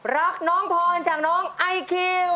รักน้องพรจากน้องไอคิว